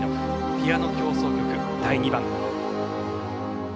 「ピアノ協奏曲第２番」。